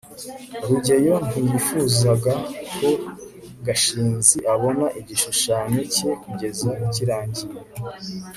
rugeyo ntiyifuzaga ko gashinzi abona igishushanyo cye kugeza kirangiye